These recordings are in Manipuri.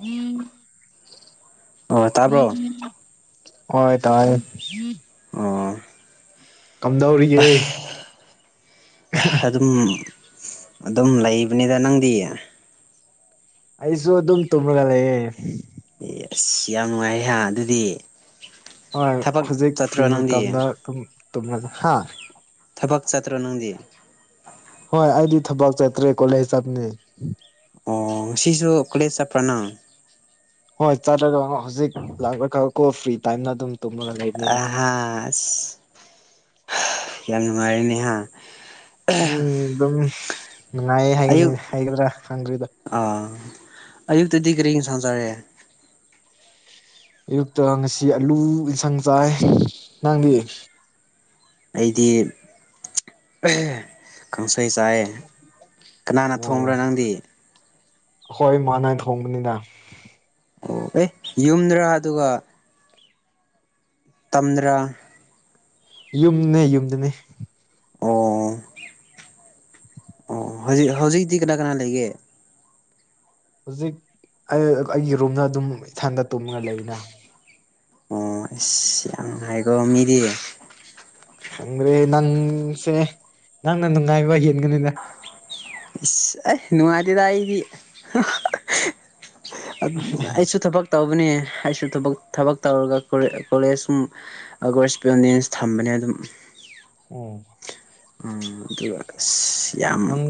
ꯎꯝ ꯑꯣ ꯃꯦꯒꯤ ꯇꯥꯕ꯭ꯔꯣ ꯆꯥ ꯍꯣꯏ ꯇꯥꯌꯦ ꯑꯣ ꯀꯝꯗꯧꯔꯤꯒꯦ ꯑꯗꯨꯝ ꯑꯗꯨꯝ ꯂꯩꯕꯅꯦꯗ ꯅꯪꯗꯤ ꯑꯩꯁꯨ ꯑꯗꯨꯝ ꯇꯨꯝꯔꯒ ꯂꯩꯌꯦ ꯑꯁ ꯌꯥꯝ ꯅꯨꯡꯉꯥꯏꯌꯦꯍꯥ ꯑꯗꯨꯗꯤ ꯍꯣꯏ ꯊꯕꯛ ꯍꯧꯖꯤꯛ ꯆꯠꯇ꯭ꯔꯣ ꯐ꯭ꯔꯤ ꯅꯪꯗꯤ ꯃꯇꯝꯗ ꯑꯗꯨꯝ ꯇꯨꯝꯃ ꯍꯥ ꯊꯕꯛ ꯆꯠꯇ꯭ꯔꯣ ꯅꯪꯗꯤ ꯍꯣꯏ ꯑꯩꯗꯤ ꯊꯕꯛ ꯆꯠꯇ꯭ꯔꯦ ꯀꯣꯂꯦꯖ ꯆꯠꯄꯅꯦ ꯑꯣ ꯉꯁꯤꯁꯨ ꯀꯣꯂꯦꯖ ꯆꯠꯄ꯭ꯔ ꯅꯪ ꯍꯣꯏ ꯆꯥꯠꯂꯒ ꯍꯧꯖꯤꯛ ꯂꯥꯛꯄ ꯈꯔ ꯀꯣ ꯐ꯭ꯔꯤ ꯇꯥꯏꯝꯅ ꯑꯗꯨꯝ ꯇꯨꯝꯔꯒ ꯂꯩꯕꯅꯤꯗ ꯑꯍ ꯑꯁ ꯌꯥꯝ ꯅꯨꯡꯉꯥꯏꯔꯦꯅꯦ ꯍꯥ ꯎꯝ ꯑꯗꯨꯝ ꯅꯨꯡꯉꯥꯏꯌꯦ ꯍꯥꯏꯒꯅꯤ ꯑꯌꯨꯛ ꯍꯥꯏꯒꯗ꯭ꯔꯥ ꯈꯪꯗ꯭ꯔꯦꯗ ꯑꯥ ꯑꯌꯨꯛꯇꯗꯤ ꯀꯔꯤ ꯏꯟꯁꯥꯡ ꯆꯥꯔꯦ ꯑꯌꯨꯛꯇ ꯉꯁꯤ ꯑꯂꯨ ꯏꯟꯁꯥꯡ ꯆꯥꯏ ꯅꯪꯗꯤ ꯑꯩꯗꯤ ꯑꯦ ꯀꯥꯡꯁꯣꯏ ꯆꯥꯏꯌꯦ ꯀꯅꯥꯅ ꯊꯣꯡꯕ꯭ꯔꯥ ꯑꯣ ꯅꯪꯗꯤ ꯑꯈꯣꯏ ꯏꯃꯥꯟꯅꯥꯏ ꯊꯣꯡꯕꯅꯤꯅ ꯑꯣ ꯑꯦ ꯌꯨꯝꯗꯔꯥ ꯑꯗꯨꯒ ꯇꯝꯗꯔꯥ ꯌꯨꯝꯅꯦ ꯌꯨꯝꯗꯅꯦ ꯑꯣ ꯑꯣ ꯍꯧꯖꯤꯛ ꯍꯧꯖꯤꯛꯇꯤ ꯀꯅꯥ ꯀꯅꯥ ꯂꯩꯒꯦ ꯍꯧꯖꯤꯛ ꯑꯩꯒꯤ ꯔꯨꯝꯗ ꯑꯗꯨꯝ ꯏꯊꯟꯗ ꯇꯨꯝꯉ ꯂꯩꯅ ꯑꯣ ꯑꯁ ꯌꯥꯝ ꯅꯨꯪꯉꯥꯏꯀꯣ ꯃꯤꯗꯤ ꯈꯪꯈ꯭ꯔꯦ ꯅꯪꯁꯦ ꯅꯪꯅ ꯅꯨꯡꯉꯥꯏꯕ ꯍꯦꯟꯒꯅꯤꯅꯥ ꯏꯁ ꯑꯩ ꯅꯨꯡꯉꯥꯏꯇꯦꯗ ꯑꯩꯗꯤ ꯑꯩꯁꯨ ꯊꯕꯛ ꯇꯧꯕꯅꯦ ꯑꯩꯁꯨ ꯊꯕꯛ ꯊꯕꯛ ꯇꯧꯔꯒ ꯀꯣꯂꯦꯖ ꯑꯒ ꯏꯁꯄꯅꯤꯁ ꯊꯝꯕꯅꯦ ꯑꯗꯨꯝ ꯎꯝ ꯎꯝ ꯑꯗꯨꯒ ꯑꯁ ꯌꯥꯝ ꯅꯪ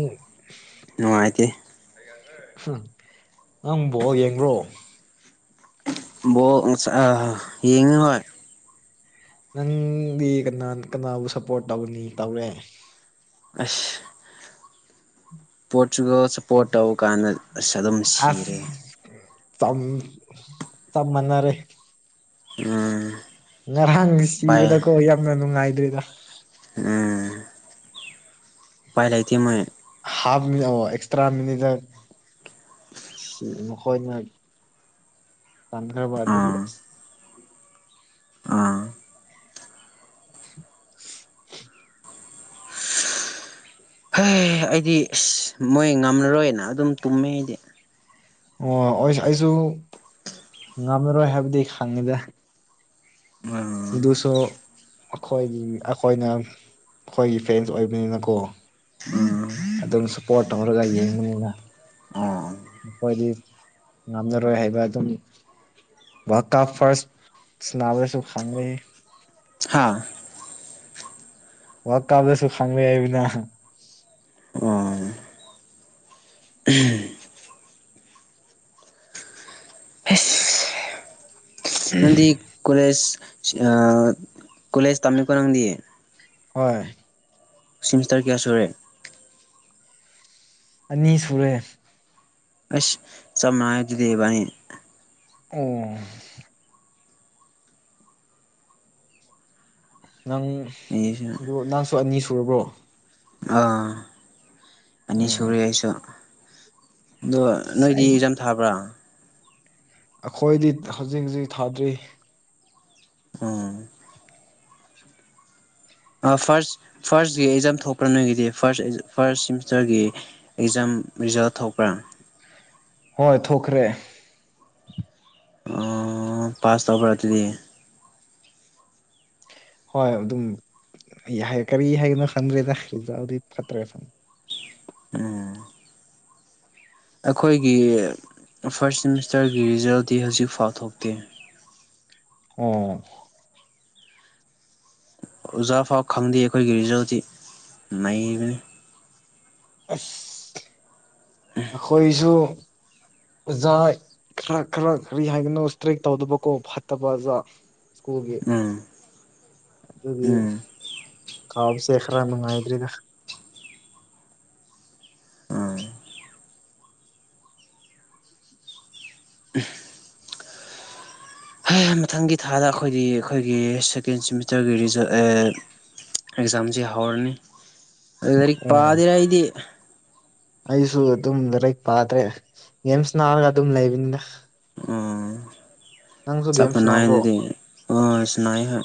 ꯅꯨꯡꯉꯥꯏꯇꯦ ꯍꯨꯝ ꯅꯪ ꯕꯣꯜ ꯌꯦꯡꯕ꯭ꯔꯣ ꯕꯣꯜ ꯉꯁꯥ ꯑ ꯌꯦꯡꯉꯤ ꯍꯣꯏ ꯅꯪꯗꯤ ꯀꯅꯥ ꯀꯅꯥꯕꯨ ꯁꯞꯄꯣꯔꯠ ꯇꯧꯅꯤ ꯇꯧꯔꯦ ꯑꯁ ꯄꯣꯔꯆꯨꯒꯜ ꯁꯞꯄꯣꯔꯠ ꯇꯧ ꯀꯥꯟꯗ ꯑꯁ ꯑꯗꯨꯝ ꯑꯁ ꯁꯤꯔꯦ ꯆꯝ ꯆꯞ ꯃꯥꯅꯔꯦ ꯎꯝ ꯉꯔꯥꯡꯒꯤ ꯎꯄꯥꯏ ꯁꯤꯕꯗꯀꯣ ꯌꯥꯝꯅ ꯅꯨꯡꯉꯥꯏꯗꯔꯤꯗ ꯎꯝ ꯄꯥꯏ ꯂꯩꯇꯦ ꯃꯣꯏ [unintelligible] ꯁꯤ ꯃꯈꯣꯏꯅ ꯇꯟꯈ꯭ꯔꯕ ꯑꯗꯨꯒꯤ ꯑꯥ ꯑꯥ ꯍ ꯑꯩꯗꯤ ꯑꯁ ꯃꯣꯏ ꯉꯝꯂꯔꯣꯏꯅ ꯑꯗꯨꯝ ꯇꯨꯝꯃꯦ ꯑꯩꯗꯤ ꯑꯣ ꯑꯩ ꯑꯩꯁꯨ ꯉꯝꯃꯔꯣꯏ ꯍꯥꯏꯕꯗꯤ ꯈꯪꯉꯤꯗ ꯎꯝ ꯗꯨꯁꯨ ꯑꯩꯈꯣꯏꯒꯤ ꯑꯩꯈꯣꯏꯅ ꯑꯩꯈꯣꯏꯒꯤ ꯐ꯭ꯔꯦꯟꯁ ꯑꯣꯏꯕꯅꯤꯅꯀꯣ ꯑꯗꯨꯝ ꯁꯞꯄꯣꯔꯠ ꯇꯧꯔꯒ ꯌꯦꯡꯕꯅꯤꯅ ꯎꯝ ꯃꯈꯣꯏꯗꯤ ꯉꯝꯅꯔꯣꯏ ꯍꯥꯏꯕ ꯑꯗꯨꯝ ꯋꯥ ꯀ ꯐꯥꯔꯁ ꯁꯅꯥꯕꯦꯁꯨ ꯈꯪꯂꯦ ꯍꯥꯥ ꯋꯥ ꯀꯥꯞꯗꯁꯨ ꯈꯪꯂꯦ ꯍꯥꯏꯕꯅ ꯑꯣ ꯎꯝ ꯅꯪꯗꯤ ꯀꯂꯦꯖ ꯑ ꯀꯣꯂꯦꯖ ꯇꯝꯃꯤꯀꯣ ꯅꯪꯗꯤ ꯍꯣꯏ ꯁꯤꯃꯤꯁꯇꯔ ꯀꯌꯥ ꯁꯨꯔꯦ ꯑꯅꯤ ꯁꯨꯔꯦ ꯑꯁ ꯁꯞ ꯃꯥꯟꯅꯩ ꯑꯗꯨꯗꯤ ꯏꯕꯥꯅꯤ ꯑꯣ ꯅꯪ ꯑꯩꯁꯨ ꯅꯪꯁꯨ ꯑꯅꯤ ꯁꯨꯔꯕ꯭ꯔꯣ ꯑꯥ ꯑꯅꯤ ꯎꯝ ꯁꯨꯨꯔꯦ ꯑꯩꯁꯨ ꯑꯗꯣ ꯅꯣꯏꯗꯤ ꯑꯩ ꯑꯦꯛꯖꯥꯝ ꯊꯥꯕ꯭ꯔꯥ ꯑꯩꯈꯣꯏꯗꯤ ꯍꯧꯖꯤꯛ ꯍꯧꯖꯤꯛ ꯊꯥꯗ꯭ꯔꯤ ꯎꯝ ꯐꯥꯔꯁ ꯐꯥꯔꯁꯀꯤ ꯑꯦꯛꯖꯥꯝ ꯊꯣꯛꯄ꯭ꯔꯥ ꯅꯣꯏꯒꯤꯗꯤ ꯐꯥꯔꯁ ꯐꯥꯔꯁ ꯁꯦꯃꯤꯁꯇꯔꯒꯤ ꯑꯦꯛꯖꯥꯝ ꯔꯤꯖꯜ ꯊꯣꯛꯄ꯭ꯔꯥ ꯍꯣꯏ ꯊꯣꯛꯈ꯭ꯔꯦ ꯑꯣ ꯄꯥꯁ ꯇꯧꯕꯔꯥ ꯑꯗꯨꯗꯤ ꯍꯣꯏ ꯑꯗꯨꯝ ꯌꯍꯥꯏ ꯀꯔꯤ ꯍꯥꯏꯒꯗꯝꯅꯣ ꯈꯪꯗ꯭ꯔꯦꯗ ꯑꯦꯀꯖꯥꯝꯗꯤ ꯐꯠꯇ꯭ꯔꯦ ꯁꯝ ꯎꯝ ꯑꯩꯈꯣꯏꯒꯤ ꯐꯥꯔꯁ ꯁꯦꯃꯤꯁꯇꯔꯒꯤ ꯔꯤꯖꯜꯇꯤ ꯍꯧꯖꯤꯛꯐꯥꯎ ꯊꯣꯛꯇꯦ ꯎꯝ ꯑꯣꯖꯥ ꯐꯥꯎ ꯈꯪꯗꯦ ꯑꯩꯈꯣꯏꯒꯤ ꯔꯤꯖꯜꯁꯤꯤ ꯅꯩꯅꯔꯤꯕꯅꯤ ꯑꯁ ꯑꯩꯈꯣꯏꯁꯨ ꯑꯣꯖꯥ ꯈꯔ ꯈꯔ ꯀꯔꯤ ꯍꯥꯏꯒꯅꯣ ꯏꯁꯇ꯭ꯔꯦꯛ ꯇꯧꯗꯕꯀꯣ ꯐꯠꯇꯕ ꯑꯣꯖꯥ ꯁ꯭ꯀꯨꯜꯒꯤ ꯎꯝ ꯑꯗꯨꯒꯤ ꯎꯝ ꯀꯥꯎꯕ ꯁꯦꯈ꯭ꯔꯥ ꯃꯥꯏꯗ꯭ꯔꯔꯤꯒ ꯎꯝ ꯍꯩ ꯃꯊꯪꯒꯤ ꯊꯥꯗ ꯑꯩꯈꯣꯏꯒꯤ ꯑꯩꯈꯣꯏꯒꯤ ꯁꯦꯀꯦꯟ ꯁꯦꯃꯤꯁꯇꯔꯒꯤ ꯔꯤꯖꯜ ꯑꯦꯛꯖꯥꯝꯁꯤꯦ ꯍꯧꯔꯅꯤ ꯑꯗꯨ ꯂꯥꯏꯔꯤꯛ ꯑꯣ ꯄꯥꯗꯔꯥ ꯑꯩꯗꯤ ꯑꯩꯁꯨ ꯑꯗꯨꯝ ꯂꯔꯤꯛ ꯄꯥꯗ꯭ꯔꯦ ꯌꯦꯦꯝꯁ ꯅꯥꯔꯒ ꯑꯗꯨꯝ ꯂꯩꯕꯅꯤꯗ ꯒꯦꯝꯁ ꯅꯥꯕ꯭ꯔꯣ ꯁꯅꯥꯑꯗꯤ ꯑꯣ ꯁꯅꯥ ꯍꯦ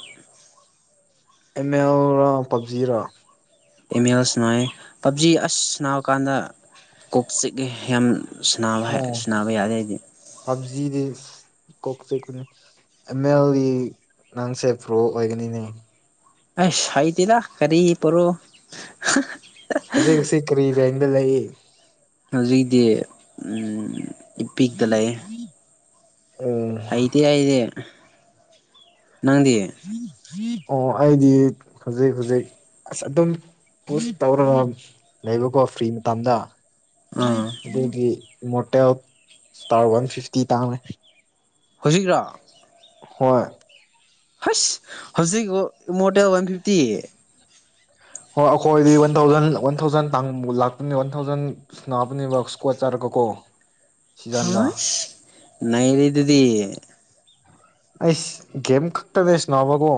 ꯑꯦꯝ ꯑꯦꯜꯔꯥ ꯄꯞꯖꯤꯔ ꯏꯃꯦꯜꯁ ꯅꯥ ꯄꯞꯖꯤ ꯑꯁ ꯅꯥꯔ ꯀꯥꯟꯗ ꯀꯣꯛ ꯆꯤꯛꯦ ꯌꯥꯝ ꯅꯥꯕ ꯍꯥꯏ ꯁꯅꯥꯕ ꯌꯥꯗꯦ ꯍꯥꯏꯗꯤ ꯄꯞꯖꯤꯗ ꯀꯣꯛ ꯑ ꯑꯦꯜ ꯏ ꯅꯪꯁꯦ ꯄ꯭ꯔꯣ ꯑꯣꯏꯒꯅꯤꯅꯦ ꯑ ꯁꯍꯤ ꯇꯔ ꯈꯔꯤ ꯄꯔꯣ ꯍꯧꯖꯤꯛꯁꯤ ꯀꯔꯤ ꯔꯦꯡꯗ ꯂꯩ ꯍꯧꯖꯤꯛꯤ ꯏꯄꯤꯛꯇ ꯂꯩ ꯑꯣ ꯑꯩꯗꯤꯦ ꯑꯩꯗꯤ ꯅꯪꯗꯤ ꯑꯣ ꯑꯩꯗꯤ ꯍꯧꯖꯤꯛ ꯍꯧꯖꯤꯛ ꯑꯁ ꯑꯗꯨꯝ ꯄꯨꯁ ꯇꯧꯔꯒ ꯂꯩꯕꯀꯣ ꯐ꯭ꯔꯤ ꯃꯇꯝꯗ ꯎꯝ ꯑꯗꯒꯤ ꯏꯃꯣꯔꯇꯦꯜ ꯏꯁꯇꯥꯔ ꯋꯥꯟ ꯐꯤꯐꯇꯤ ꯇꯥꯡꯃꯦ ꯍꯧꯖꯤꯛ꯭ꯔꯣ ꯍꯣꯏ ꯍꯁ ꯍꯧꯖꯤꯛ ꯃꯣꯇꯦ ꯋꯥꯟ ꯐꯤꯐꯇꯤ ꯍꯣꯏ ꯑꯩꯈꯣꯏꯗꯤ ꯋꯥꯟ ꯊꯥꯎꯖꯟ ꯋꯥꯟ ꯊꯥꯎꯖꯟ ꯇꯥꯡꯨ ꯂꯥꯛꯇꯅꯤ ꯋꯥꯟ ꯊꯥꯎꯖꯟ ꯏꯁꯅꯞꯅꯤꯕꯁꯀ ꯆꯔ ꯀꯀꯣ ꯍ ꯅꯥꯏꯔꯤꯤꯗꯤ ꯑꯩꯁ ꯒꯦꯝ ꯈꯛꯇꯅꯦ ꯏꯁꯅꯥꯕꯒꯣ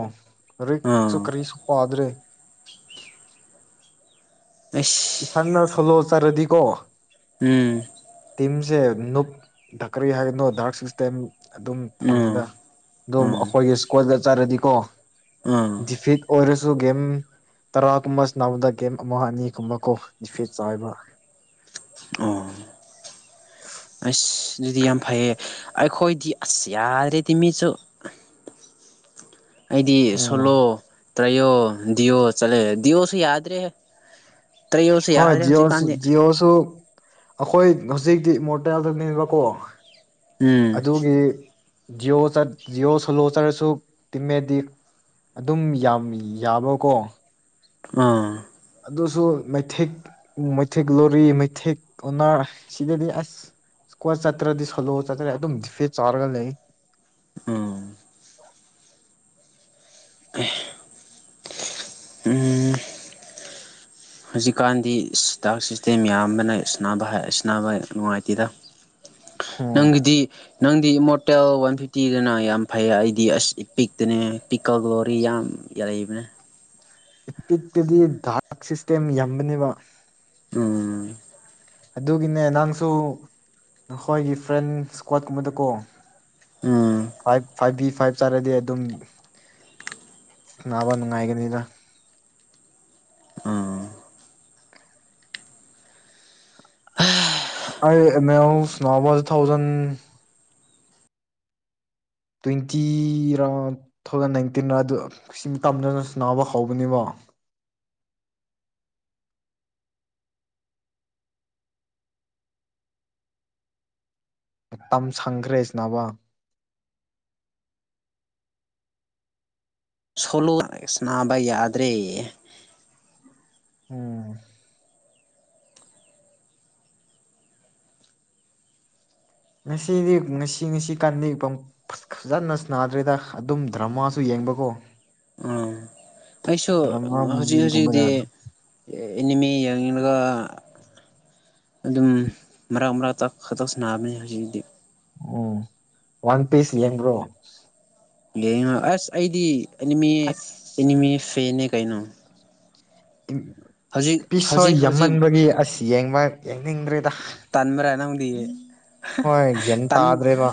ꯔꯤꯛꯁꯨ ꯑꯥ ꯀꯔꯤꯁꯨ ꯄꯥꯗ꯭ꯔꯦ ꯇꯁ ꯁꯥꯟꯅ ꯁꯣꯂꯣ ꯆꯥꯔꯗꯤꯀꯣ ꯎꯝ ꯇꯤꯝꯁꯦ ꯞ ꯗꯀꯔꯤ ꯍꯥꯏꯒꯅꯣ ꯗꯗꯥꯔꯛ ꯁꯤꯛꯁꯇꯦꯝ ꯑꯗꯨꯝ ꯎꯝ ꯐꯪꯉꯦꯗ ꯑꯗꯨꯝ ꯎꯝ ꯑꯩꯈꯣꯏꯒꯤ ꯁ꯭ꯀꯣꯜꯗꯠ ꯆꯠꯔꯗꯤꯀꯣ [unintelligible] ꯗꯤꯐꯤꯠ ꯑꯣꯏꯔꯁꯨ ꯒꯦꯝ ꯇꯔꯥꯒꯨꯝꯕ ꯅꯥꯕꯗ ꯒꯦꯝ ꯑꯃ ꯑꯅꯤꯒꯨꯝꯕ ꯀꯣ ꯐꯤꯠ ꯆꯥꯏꯕ ꯑꯣ ꯑꯁ ꯑꯗꯨꯗꯤ ꯌꯥꯝ ꯐꯩꯌꯦ ꯑꯩꯈꯣꯏꯗꯤ ꯑꯁ ꯌꯥ ꯔꯦꯗꯤꯃꯤꯁꯨ ꯑꯩꯗꯤ ꯎꯝ ꯁꯣꯂꯣ ꯇ꯭ꯔꯥꯏꯌꯣ ꯗꯤꯌꯣ ꯆꯠꯂꯦ ꯗꯤꯌꯑꯣꯁꯨ ꯌꯥꯗ꯭ꯔꯦꯍꯦ ꯍꯣꯏ ꯖꯤꯑꯣ ꯖꯤꯑꯣꯁꯨ ꯑꯩꯈꯣꯏ ꯍꯧꯖꯤꯛꯇꯤ ꯃꯣꯔꯇꯦꯜꯗꯅꯦꯕꯀꯣ ꯎꯝ ꯑꯗꯨꯒꯤ ꯖꯤꯑꯣꯠ ꯖꯤꯑꯣ ꯁꯣꯂꯣ ꯆꯠꯂꯁꯨ ꯇꯤꯃꯦꯗꯤꯛ ꯑꯗꯨꯝ ꯌꯥꯝ ꯌꯥꯕꯀꯣ ꯑꯥ ꯑꯗꯨꯁꯨ ꯃꯩꯊꯦꯛ ꯃꯩꯊꯛ ꯂꯣꯔꯤ ꯃꯩꯊꯦꯛ ꯑꯣꯅꯥꯔ ꯁꯤꯗꯗꯤ ꯑꯁ ꯁꯀꯣ ꯆꯠꯇ꯭ꯔꯗꯤ ꯁꯣꯂꯣ ꯆꯠꯇ꯭ꯔꯦꯗꯤ ꯑꯗꯨꯝ ꯗꯤꯐꯦꯠ ꯆꯥꯔꯒ ꯂꯩ ꯎꯝ ꯎꯝ ꯍꯧꯖꯤꯛꯀꯥꯟꯗꯤ ꯁꯇꯥꯥꯛ ꯁꯤꯁꯇꯦꯝ ꯌꯥꯝꯌꯥꯝꯕꯅ ꯁꯥꯟꯅꯕ ꯍꯥꯏ ꯑꯁꯤ ꯅꯨꯡꯉꯥꯏꯇꯦꯗ ꯎꯝ ꯅꯪꯒꯤꯗꯤ ꯅꯪꯗꯤ ꯏꯃꯣꯔꯇꯦꯜ ꯋꯥꯟ ꯐꯤꯐꯇꯤꯗꯅ ꯌꯥꯝ ꯐꯩ ꯑꯩꯗꯤ ꯑꯁ ꯏꯄꯤꯛꯇꯅꯦ ꯄꯤꯛꯀ ꯒ꯭ꯂꯣꯔꯤ ꯌꯥꯝ ꯌꯥꯔꯤꯕꯅꯦ ꯏꯄꯤꯛꯇꯗꯤ ꯗꯥꯛ ꯁꯤꯁꯇꯦꯝ ꯌꯥꯝꯕꯅꯦꯕ ꯎꯝ ꯑꯗꯨꯒꯤꯅꯦ ꯅꯪꯁꯨ ꯅꯈꯣꯏꯒꯤ ꯐ꯭ꯔꯦꯟ ꯏꯁꯀ꯭ꯋꯥꯠꯀꯨꯝꯕꯗꯀꯣ ꯎꯝ ꯐꯥꯏꯚ ꯐꯥꯏꯚ ꯕꯤ ꯐꯥꯏꯚ ꯆꯥꯔꯗꯤ ꯑꯗꯨꯝ ꯁꯥꯟꯅꯕ ꯅꯨꯡꯉꯥꯏꯒꯅꯤꯗ ꯎꯝ [unintelligible] ꯇ꯭ꯋꯦꯟꯇꯤꯔ ꯇꯨ ꯊꯥꯎꯖꯟ ꯅꯥꯏꯟꯇꯤꯟꯔ ꯑꯗꯨ ꯁꯤ ꯃꯇꯝꯗ ꯁꯥꯟꯅꯕ ꯍꯧꯕꯅꯦꯕ ꯃꯇꯝ ꯁꯪꯈ꯭ꯔꯦ ꯁꯥꯟꯅꯕ ꯁꯣꯂꯣ ꯁꯥꯟꯅꯕ ꯌꯥꯗ꯭ꯔꯦ ꯎꯝ ꯉꯁꯤꯗꯤ ꯉꯁꯤ ꯉꯁꯤ ꯀꯟꯅ ꯐꯖꯅ ꯁꯥꯟꯅꯗ꯭ꯔꯦꯗ ꯑꯗꯨꯝ ꯗ꯭ꯔꯃꯥꯁꯨ ꯌꯦꯡꯕꯀꯣ ꯑꯩꯁꯨ ꯗ꯭ꯔꯃꯥ ꯍꯧꯖꯤꯛ ꯍꯧꯖꯤꯛꯗꯤ ꯃꯨꯚꯤꯒꯨꯝꯕꯗ ꯑꯦꯅꯤꯃꯤ ꯌꯦꯡꯂꯒ ꯑꯗꯨꯝ ꯃꯔꯛ ꯃꯔꯛꯇ ꯈꯛꯇ ꯁꯥꯟꯅꯕꯅꯦ ꯍꯧꯖꯤꯛꯇꯤ ꯎꯝ ꯋꯥꯟ ꯄꯤꯁ ꯌꯦꯡꯕ꯭ꯔꯣ ꯌꯦꯡꯉꯣ ꯑꯁ ꯑꯩꯗꯤ ꯑꯦꯅꯤꯃꯤ ꯑꯁ ꯑꯦꯅꯤꯃꯤ ꯐꯦꯟꯅꯦ ꯀꯩꯅꯣ ꯍꯧꯖꯤꯛ ꯄꯤꯁ ꯍꯣꯏ ꯍꯧꯖꯤꯛ ꯍꯧꯖꯤꯛ ꯌꯥꯝꯃꯟꯕꯒꯤ ꯑꯁ ꯌꯦꯡꯕ ꯌꯦꯡꯅꯤꯡꯗ꯭ꯔꯦꯗ ꯇꯟꯕ꯭ꯔꯥ ꯅꯪꯗꯤ ꯍꯣꯏ ꯒꯌ꯭ꯥꯟ ꯇꯥꯗꯔ꯭ꯦ ꯕ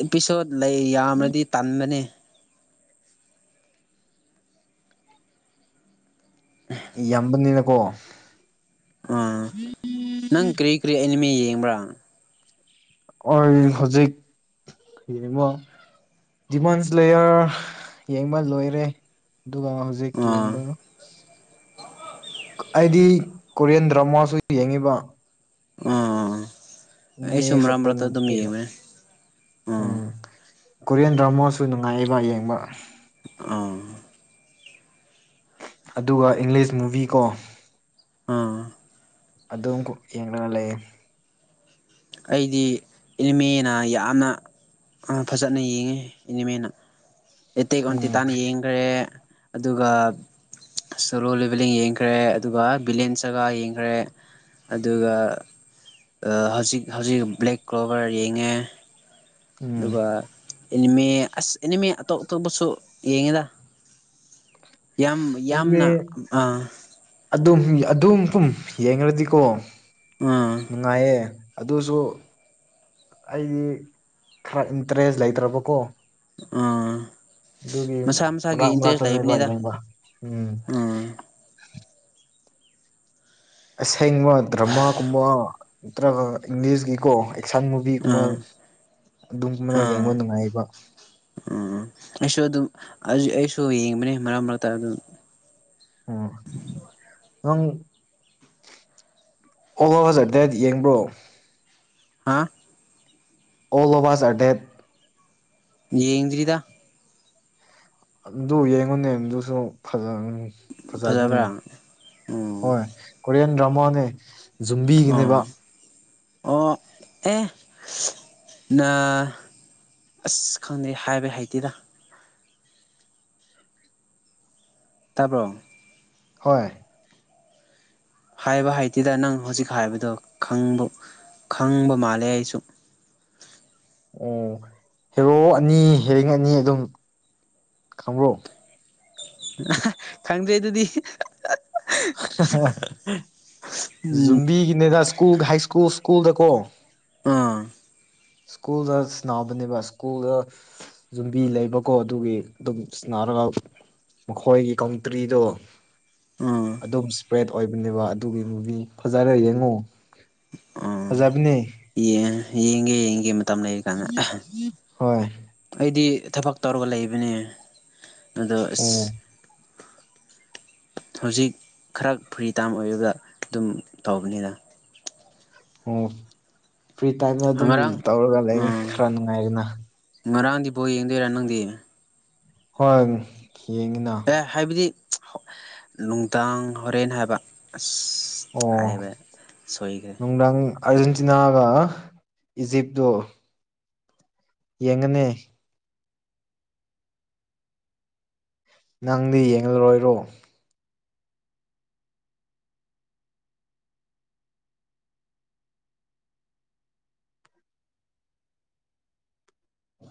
ꯑꯤꯄꯤꯁꯣꯠ ꯂꯩ ꯌꯥꯝꯅꯗꯤ ꯇꯟꯕꯅꯦ [unintelligible] ꯌꯥꯝꯕꯅꯤꯅꯀꯣ ꯑꯥ ꯅꯪ ꯀꯔꯤ ꯀꯔꯤ ꯑꯅꯤꯃꯤ ꯌꯦꯡꯕ꯭ꯔ ꯑꯣꯏ ꯍꯧꯖꯤꯛ ꯌꯦꯡꯉꯣ ꯗꯤꯃꯟꯁ ꯂꯦꯌꯔ ꯌꯦꯡꯕ ꯂꯣꯏꯔꯦ ꯑꯗꯨꯒ ꯍꯧꯖꯤꯛ ꯌꯦꯡꯕ ꯑꯥ ꯑꯩꯗꯤ ꯀꯣꯔꯤꯌꯟ ꯗ꯭ꯔꯃꯥꯁꯨ ꯌꯦꯡꯉꯤꯕ ꯑꯥ ꯃ ꯑꯩꯁꯨ ꯃꯔꯛ ꯃꯔꯛꯇ ꯍꯠꯇꯅ ꯑꯗꯨꯝ ꯌꯦꯡꯕꯅꯦ [unintelligible] ꯑꯥ ꯎꯝ ꯀꯣꯔꯤꯌꯟ ꯗ꯭ꯔꯃꯥꯁꯨ ꯅꯨꯡꯉꯥꯏꯌꯦꯕ ꯌꯦꯡꯕ ꯑꯥ ꯑꯗꯨꯒ ꯏꯪꯂꯤꯁ ꯃꯨꯚꯤ ꯀꯣ ꯎꯝ ꯑꯗꯨꯝ ꯌꯦꯡꯂꯒ ꯂꯩꯌꯦ ꯑꯩꯗꯤ ꯑꯦꯅꯤꯃꯤꯅ ꯌꯥꯝꯅ ꯐꯖꯅ ꯌꯦꯡꯉꯦ ꯑꯦꯅꯤꯃꯦꯅ ꯑꯦꯇꯦꯛ ꯎꯝ ꯑꯣꯟꯇꯤꯇꯥꯥꯟ ꯌꯦꯡꯈ꯭ꯔꯦ ꯑꯗꯨꯒ ꯁꯣꯂꯣ ꯂꯦꯚꯦꯂꯤꯡ ꯌꯦꯡꯈ꯭ꯔꯦ ꯑꯗꯨꯒ ꯕꯤꯂꯦꯟ ꯖꯒꯥ ꯌꯦꯡꯈ꯭ꯔꯦ ꯑꯗꯨꯒ ꯍꯧꯖꯤꯛ ꯍꯧꯖꯤꯛ ꯕ꯭ꯂꯦꯛ ꯀ꯭ꯂꯣꯕꯔ ꯌꯦꯡꯉꯦ ꯎꯝ ꯑꯗꯨꯒ ꯑꯦꯅꯤꯃꯦ ꯑꯁ ꯑꯦꯅꯤꯃꯦ ꯑꯇꯣꯞ ꯑꯇꯣꯞꯄꯁꯨ ꯌꯦꯡꯉꯤꯗ ꯌꯥꯝ ꯏꯪꯂꯤ ꯌꯥꯝꯅ ꯑ ꯑꯗꯨꯝ ꯑꯗꯨꯝ ꯄꯨꯝ ꯌꯦꯡꯂꯗꯤꯀꯣ ꯑꯥ ꯅꯨꯡꯉꯥꯏꯌꯦ ꯑꯗꯨꯁꯨ ꯑꯩꯗꯤ ꯈꯔ ꯏꯟꯇꯔꯦꯁ ꯂꯩꯇ꯭ꯔꯕꯀꯣ ꯑꯥ ꯑꯗꯨꯒꯤ ꯃꯔꯛ ꯃꯔꯛꯇꯅꯦꯕ ꯂꯩꯕꯅꯤꯗ ꯌꯦꯡꯕ ꯎꯝ ꯎꯝ ꯑꯁꯦꯡꯕ ꯗ꯭ꯔꯃꯥꯒꯨꯝꯕ ꯅꯠꯇ꯭ꯔꯒ ꯏꯪꯂꯤꯁꯀꯤꯀꯣ ꯑꯦꯛꯁꯟ ꯕꯤꯒꯨꯝꯕ ꯎꯝ ꯑꯗꯨꯒꯨꯝꯕꯅ ꯌꯦꯡꯕ ꯎꯝ ꯅꯨꯡꯉꯥꯏꯕ ꯎꯝ ꯑꯩꯁꯨ ꯑꯗꯨꯝ ꯑꯩꯁꯨ ꯌꯦꯡꯕꯅꯤ ꯃꯔꯛ ꯃꯔꯛꯇ ꯑꯗꯨꯝ ꯎꯝ ꯅꯪ ꯑꯣ ꯍꯣꯏ ꯍꯧꯖꯔ ꯑꯗꯨꯗꯤ ꯌꯦꯡꯕ꯭ꯔꯣ ꯍꯥ ꯑꯣꯜ ꯑꯣꯕꯥꯁ ꯑꯔꯗꯦꯠ ꯌꯦꯡꯗꯔꯤꯗ ꯑꯗꯨ ꯌꯦꯡꯉꯨꯅꯦ ꯑꯗꯨꯁꯨ ꯐꯖꯅ ꯐꯖꯕꯅꯦ ꯐꯖꯕ꯭ꯔꯥ ꯎꯝ ꯍꯣꯏ ꯀꯣꯔꯤꯌꯥꯟ ꯗ꯭ꯔꯃꯥꯅꯦ ꯖꯨꯝꯕꯤꯒꯤꯅꯦꯕ ꯑꯣ ꯑꯣ ꯑꯦ ꯅ ꯑꯁ ꯈꯪꯗꯦ ꯍꯥꯏꯕ ꯍꯥꯏꯇꯦꯔ ꯇꯥꯕ꯭ꯔꯣ ꯍꯣꯏ ꯍꯥꯏꯕ ꯍꯥꯏꯇꯦꯗ ꯅꯪ ꯍꯧꯖꯤꯛ ꯍꯥꯏꯕꯗꯣꯕ ꯈꯪꯕ ꯃꯥꯜꯂꯦ ꯑꯩꯁꯨ ꯑꯣ ꯍꯦꯔꯣ ꯑꯅꯤ ꯍꯌꯦꯡ ꯑꯅꯤ ꯑꯗꯨꯝ ꯈꯪꯕ꯭ꯔꯣ ꯈꯪꯗꯦ ꯑꯗꯨꯗꯤ ꯎꯝ ꯌꯨꯝꯕꯤꯒꯤꯅꯦꯗ ꯁ꯭ꯀꯨꯜ ꯍꯥꯏ ꯁ꯭ꯀꯨꯜ ꯁ꯭ꯀꯨꯜꯗꯀꯣ ꯑꯥ ꯁ꯭ꯀꯨꯜꯗ ꯁꯅꯥꯕꯅꯤꯕ ꯁ꯭ꯀꯨꯜꯗ ꯌꯨꯝꯕꯤ ꯂꯩꯕꯀꯣ ꯑꯗꯨꯒꯤ ꯑꯗꯨꯝ ꯁꯅꯔꯒ ꯃꯈꯣꯏꯒꯤ ꯀꯟꯇ꯭ꯔꯤꯗꯣ ꯑꯥ ꯑꯗꯨꯝ ꯏꯁꯄ꯭ꯔꯦꯠ ꯑꯣꯏꯕꯅꯦꯕ ꯑꯗꯨꯒꯤ ꯐꯖꯔ ꯌꯦꯡꯉꯣ ꯐꯖꯕꯅꯦ ꯌꯦ ꯌꯦꯡꯒꯦ ꯌꯦꯡꯒꯦ ꯃꯇꯝ ꯂꯩꯔ ꯀꯥꯟꯗ ꯍꯣꯏ ꯑꯩꯗꯤ ꯊꯕꯛ ꯇꯧꯔꯒ ꯂꯩꯕꯅꯦ ꯑꯗꯣ ꯑꯁ ꯑꯣ ꯍꯧꯖꯤꯛ ꯈꯔ ꯐ꯭ꯔꯤ ꯇꯥꯏꯝ ꯑꯣꯏꯕꯗ ꯑꯗꯨꯝ ꯇꯧꯕꯅꯤꯅ ꯑꯣ ꯐ꯭ꯔꯤ ꯇꯥꯏꯝꯗ ꯑꯗꯨꯝ ꯉꯔꯥꯡ ꯇꯧꯔꯒ ꯂꯩ ꯎꯝ ꯈꯔ ꯅꯨꯡꯉꯥꯏꯗꯅ ꯉꯔꯥꯡꯗꯤ ꯕꯣ ꯌꯦꯡꯗꯣꯏꯔꯥ ꯅꯪꯗꯤ ꯍꯣꯏ ꯌꯦꯡꯉꯤꯅ ꯑꯦ ꯍꯥꯏꯕꯗꯤ ꯅꯨꯡꯗꯥꯡ ꯍꯣꯔꯦꯟ ꯍꯥꯏꯕ ꯑꯁ ꯑꯣ ꯍꯥꯏꯕ ꯁꯣꯏꯈ꯭ꯔꯦ ꯅꯨꯡꯗꯥꯥꯛ ꯑꯥꯔꯖꯦꯟꯇꯤꯅꯥꯒ ꯏꯖꯤꯞꯇꯨ ꯌꯦꯡꯒꯅꯤ ꯅꯪꯗꯤ ꯌꯦꯡꯂꯣꯏꯔꯣ